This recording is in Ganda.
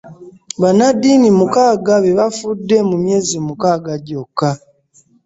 Bannaddiini mukaaga be bafudde mu myezi mukaaga gyokka